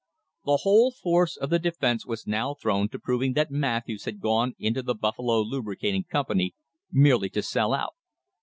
The whole force of the defence was now thrown to proving that Matthews had gone into the Buffalo Lubricating Company merely to sell out.